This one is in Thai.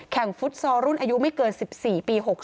ฟุตซอลรุ่นอายุไม่เกิน๑๔ปี๖๓